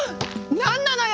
何なのよ！